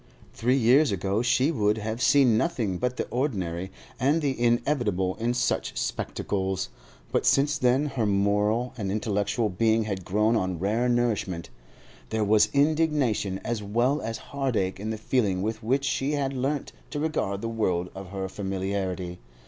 Three years ago she would have seen nothing but the ordinary and the inevitable in such spectacles, but since then her moral and intellectual being had grown on rare nourishment; there was indignation as well as heartache in the feeling with which she had learnt to regard the world of her familiarity.